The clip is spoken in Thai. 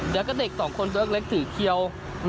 เดี๋ยวก็เด็ก๒คนตัวแรกเล็กถือเคียว